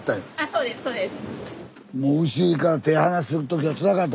そうですそうです。